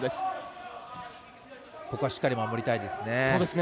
ここはしっかり守りたいですね。